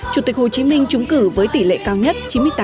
chủ tịch hồ chí minh trúng cử với tỷ lệ cao nhất